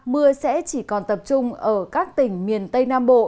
mưa sẽ chỉ còn tập trung ở các tỉnh miền tây nam bộ